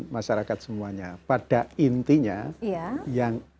masyarakat semuanya pada intinya yang